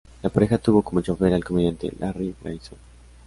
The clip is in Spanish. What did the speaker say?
La pareja tuvo como chófer al comediante Larry Grayson.